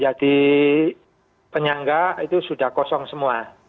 jadi penyangga itu sudah kosong semua